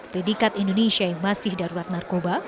predikat indonesia yang masih darurat narkoba